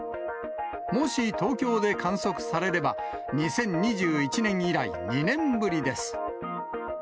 もし東京で観測されれば、２０２１年以来２年ぶりです。